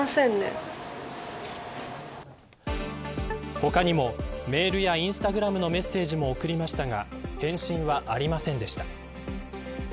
他にもメールやインスタグラムのメッセージも送りましたが返信はありませんでした。